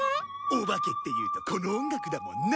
お化けっていうとこの音楽だもんな。